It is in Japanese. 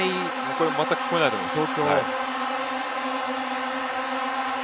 これはまったく聞こえないと思います。